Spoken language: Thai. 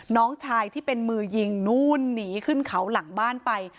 น้องชายที่เป็นมือยิงนู่นหนีขึ้นเขาหลังบ้านไป